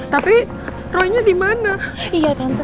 gak ada apa apa